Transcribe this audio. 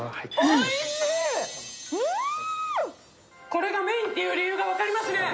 これがメインっていうの分かりますね。